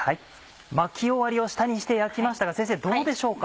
巻き終わりを下にして焼きましたが先生どうでしょうか？